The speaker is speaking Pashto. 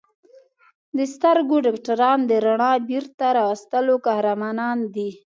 د سترګو ډاکټران د رڼا د بېرته راوستلو قهرمانان دي.